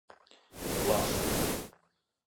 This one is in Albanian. Vllashnja